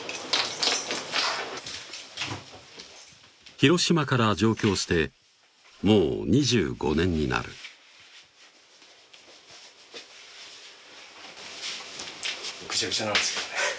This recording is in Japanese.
広島から上京してもう２５年になるぐしゃぐしゃなんすけどね